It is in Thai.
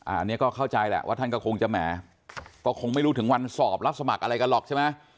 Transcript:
อันนี้ก็เข้าใจแหละว่าท่านก็คงจะแหมก็คงไม่รู้ถึงวันสอบรับสมัครอะไรกันหรอกใช่ไหม